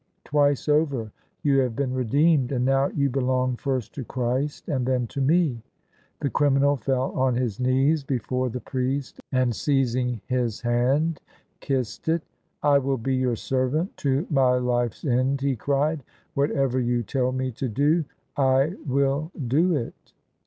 Twice over you have been redeemed, and now you belong first to Christ and then to me." The criminal fell on his knees before the priest, and seiz ing his hand kissed it. " I will be your servant to my life's end," he cried :" whatever you tell me to do I will do it."